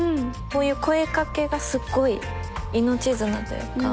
こういう声かけがすごい命綱というか。